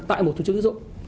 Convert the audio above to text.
tại một tổ chức tín dụng